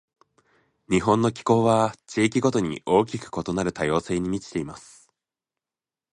日本の気候は、地域ごとに大きく異なる多様性に満ちています。